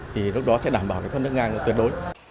thì lúc đó sẽ đảm bảo thoát nước ngang tuyệt đối